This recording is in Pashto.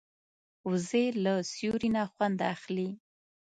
وزې له سیوري نه خوند اخلي